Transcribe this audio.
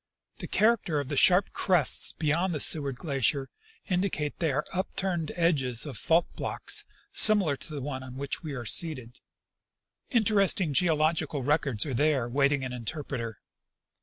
The character of the sharp crests beyond the Seward glacier indicate that they are the upturned edges of fault blocks similar to the one on which we are seated. Interesting geological records are there Avaiting an interpreter.